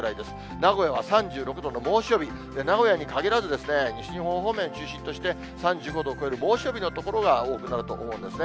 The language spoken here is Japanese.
名古屋は３６度の猛暑日、名古屋にかぎらず、西日本方面中心として、３５度を超える猛暑日の所が多くなると思うんですね。